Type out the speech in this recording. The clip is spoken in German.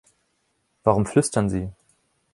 Warum flüstern Sie?